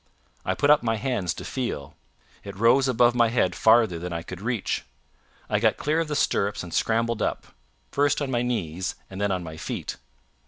I put up my hands to feel. It rose above my head farther than I could reach. I got clear of the stirrups and scrambled up, first on my knees, and then on my feet.